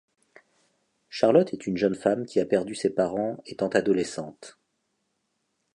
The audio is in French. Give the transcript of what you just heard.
Charlotte est une jeune femme qui a perdu ses parents étant adolescente.